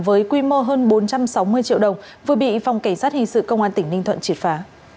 với quy mô hơn bốn trăm sáu mươi triệu đồng vừa bị phòng cảnh sát hình sự công an tỉnh ninh thuận triệt phá